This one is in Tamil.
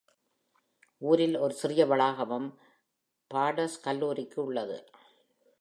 ஊரில் ஒரு சிறிய வளாகமும் பார்டர்ஸ் கல்லூரியிற்கு உள்ளது.